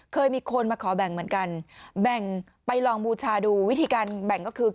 เคยมีคนมาขอแบ่งเหมือนกันแบ่งไปลองบูชาดูวิธีการแบ่งก็คือ